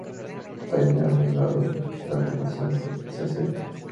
Tyler ha negado que esta afirmación sea cierta.